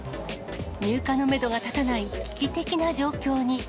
入荷のメドが立たない、危機的な状況に。